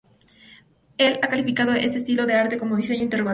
Él ha calificado este estilo de arte como Diseño Interrogativo.